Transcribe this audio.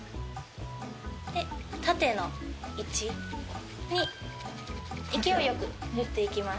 縦の位置に勢いよく振っていきます。